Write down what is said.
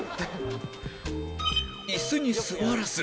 椅子に座らず